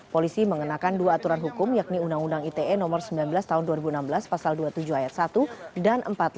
polisi mengenakan dua aturan hukum yakni undang undang ite nomor sembilan belas tahun dua ribu enam belas pasal dua puluh tujuh ayat satu dan empat puluh lima